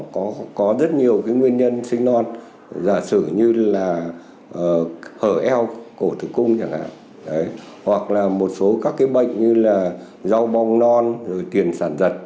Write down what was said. có rất nhiều nguyên nhân sinh non giả sử như là hở eo cổ tục cung chẳng hạn hoặc là một số các bệnh như là rau bong non tiền sản dật